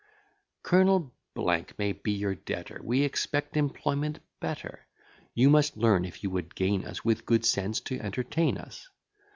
Colonel may be your debtor; We expect employment better. You must learn, if you would gain us, With good sense to entertain us.